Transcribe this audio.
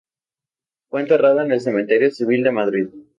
Fue enterrado en el Cementerio civil de Madrid.